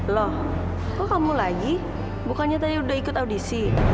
loh kok kamu lagi bukannya tadi udah ikut audisi